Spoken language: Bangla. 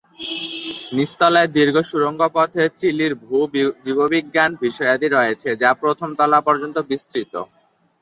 নীচতলায় দীর্ঘ সুড়ঙ্গ পথে চিলির ভূ-জীববিজ্ঞান বিষয়াদি রয়েছে যা প্রথম তলা পর্যন্ত বিস্তৃত।